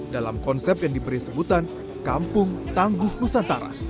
dalam konsep yang diberi sebutan kampung tangguh nusantara